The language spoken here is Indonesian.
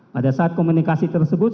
pada saat komunikasi tersebut